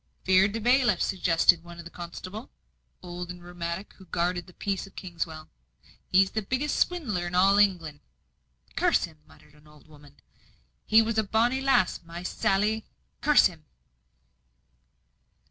"Fear'd o' bailiffs!" suggested the one constable, old and rheumatic, who guarded the peace of Kingswell. "He's the biggest swindler in all England." "Curse him!" muttered an old woman. "She was a bonny lass my Sally! Curse him!"